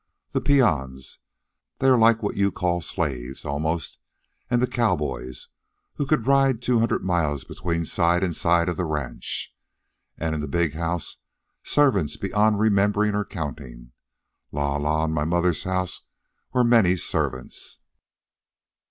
The peons they are like what you call slaves, almost, and the cowboys, who could ride two hundred miles between side and side of the ranch. And in the big house servants beyond remembering or counting. La la, in my mother's house were many servants."